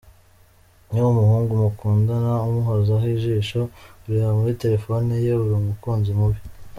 Niba umuhungu mukundana umuhozaho ijisho, ureba muri telephone ye, uri umukunzi mubi.